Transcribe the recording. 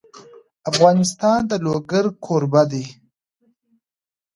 افغانستان د لوگر کوربه دی.